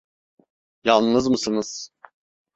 Yalnız mısınız?